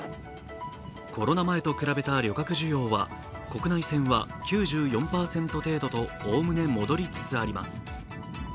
コロナ前と比べた旅客需要は国内線は９４％程度と概ね戻りつつあります。